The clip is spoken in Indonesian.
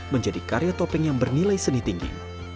menjadi karya topeng yang bernilai seni tinggi